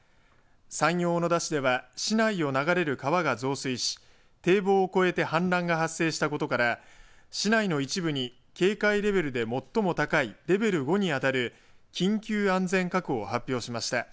山陽小野田市では市内を流れる川が増水し堤防を越えて氾濫が発生したことから市内の一部に警戒レベルで最も高いレベル５に当たる緊急安全確保を発表しました。